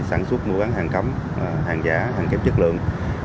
sản xuất mua bán hàng cấm hàng giả hàng kém chất lượng